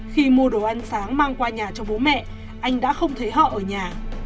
khi mua đồ ăn sáng mang qua nhà cho bố mẹ anh đã không thấy họ ở nhà